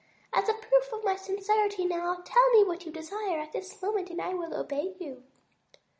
As a proof of my sincerity now, tell me what you desire at this moment and I will obey you."